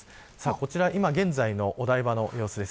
こちら今現在のお台場の様子です。